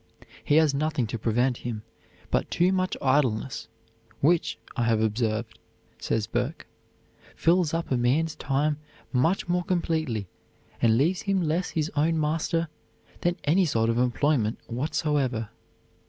"He has nothing to prevent him but too much idleness, which, I have observed," says Burke, "fills up a man's time much more completely and leaves him less his own master, than any sort of employment whatsoever."